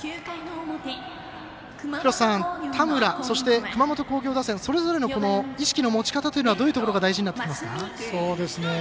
田村、熊本工業打線それぞれの意識の持ち方というのはどういうところが大事になってきますか？